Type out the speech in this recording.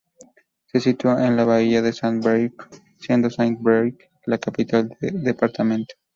Se sitúa en la bahía de Saint-Brieuc, siendo Saint-Brieuc la capital del departamento.